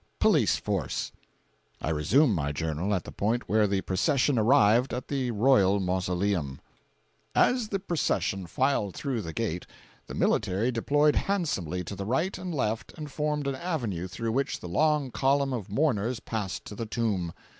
Police Force. I resume my journal at the point where the procession arrived at the royal mausoleum: As the procession filed through the gate, the military deployed handsomely to the right and left and formed an avenue through which the long column of mourners passed to the tomb.